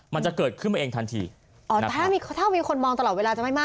มันจะเกิดขึ้นมาเองทันทีอ๋อถ้ามีคนมองตลอดเวลาจะไม่ไหม้